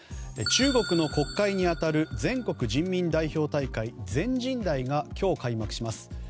中国の国会に当たる全国人民代表大会・全人代が今日、開幕します。